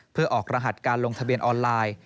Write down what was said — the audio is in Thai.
เพื่อออกรหัสการลงทะเบียนออนไลน์